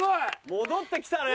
戻ってきたね。